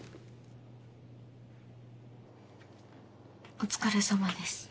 お疲れさまです。